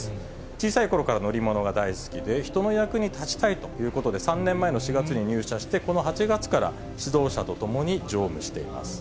小さいころから乗り物が大好きで、人の役に立ちたいということで、３年前の４月に入社して、この８月から指導者と共に乗務しています。